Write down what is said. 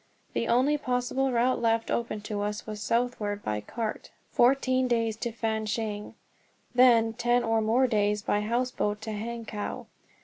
The only possible route left open to us was southward by cart, fourteen days to Fan cheng, then ten or more days by houseboat to Hankow.